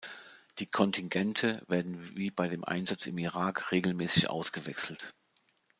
Die Kontingente werden wie bei dem Einsatz im Irak regelmäßig ausgewechselt.